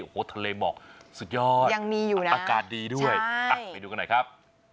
โอ้โหทะเลหมอกสุดยอดยังมีอยู่นะอากาศดีด้วยไปดูกันหน่อยครับ